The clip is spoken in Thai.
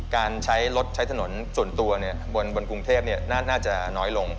การใช้รถใช้ถนนส่วนตัวบนกรุงเทพน่าจะน้อยลง